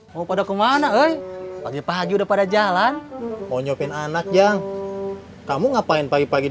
mau pada kemana pagi pagi udah pada jalan mau nyobin anak yang kamu ngapain pagi pagi